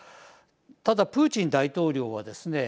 ただ、プーチン大統領はですね